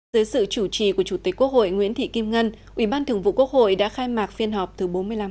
dưới sự chủ trì của chủ tịch quốc hội nguyễn thị kim ngân ủy ban thường vụ quốc hội đã khai mạc phiên họp thứ bốn mươi năm